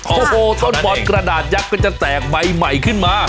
โอ้โหท่อนบอลกระดาษยักษ์ก็จะแตกใบใหม่ขึ้นมา